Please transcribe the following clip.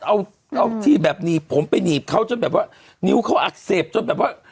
เอาที่แบบหนีบผมไปหนีบเขาจนแบบว่านิ้วเขาอักเสบจนแบบว่า